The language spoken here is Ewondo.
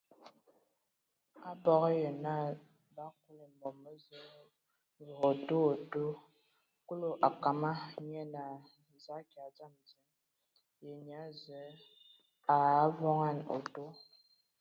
Abog yǝ naa bə akuli mom mə Zəə vǝ otu otu Kulu a kama, nye naa: Za akyaɛ, dzam adi! Ye nyia Zǝə a avoŋan otu?